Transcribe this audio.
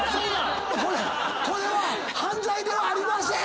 これは犯罪ではありません！